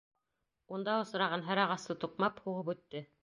Унда осраған һәр ағасты туҡмап, һуғып үтте.